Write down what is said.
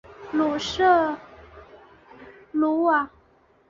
鲁瑟卢瓦。